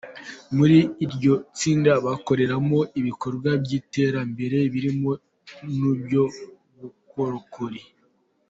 Muri iryo tsinda bakoreramo ibikorwa by’iterambere birimo n’iby’ubukorokori.